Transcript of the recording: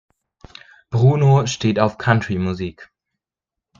Bruno steht auf Country-Musik.